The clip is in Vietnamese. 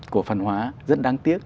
cổ phần hóa rất đáng tiếc